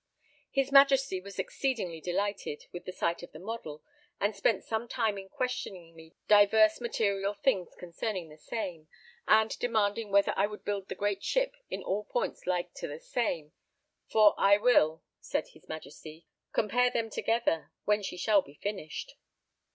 His Majesty was exceedingly delighted with the sight of the model, and spent some time in questioning me divers material things concerning the same, and demanding whether I would build the great ship in all points like to the same, for I will (said his Majesty) compare them together when she shall be finished.